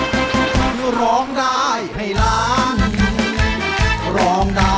เพราะร้องได้ให้ร้าน